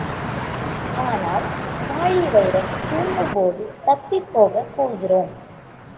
ஆனால், தாழிவயிறன் தூங்கும்போது தப்பிப் போக போகிறோம்.